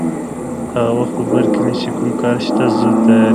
هغه وخت په بر کې نیسي، که کوم کار شته زه تیار یم.